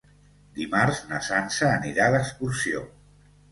Dimarts na Sança anirà d'excursió.